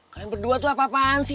kalian berdua tuh apa apaan sih